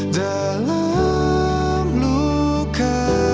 di dalam luka